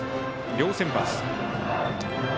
両先発。